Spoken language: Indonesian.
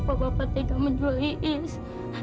kenapa bapak tega menjual iis